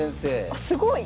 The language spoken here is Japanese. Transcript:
あすごい！